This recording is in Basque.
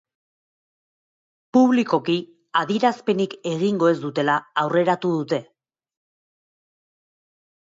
Publikoki adierazpenik egingo ez dutela aurreratu dute.